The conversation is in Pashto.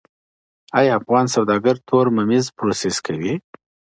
ایا افغان سوداګر تور ممیز پروسس کوي؟